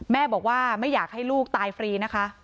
แม่บอกว่าไม่อยากให้ลูกตายฟรีนะคะ